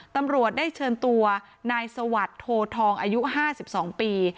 ตำรวจได้เชิญตัวนายสวัสดิ์โททองอายุ๕๒ปี